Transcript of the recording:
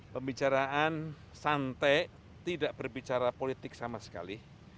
pembicaraan santai tidak berbicara politik sama sekali